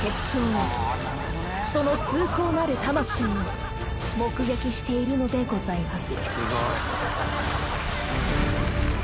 ［その崇高なる魂を目撃しているのでございます］